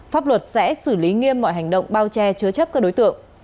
pháp luật sẽ xử lý nghiêm mọi hành động bao che chứa chấp các đối tượng